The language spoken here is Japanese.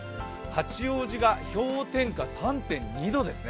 八王子が氷点下３．２度ですね。